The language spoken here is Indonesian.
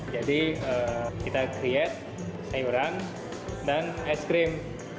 jadi kita create sayuran dan es krim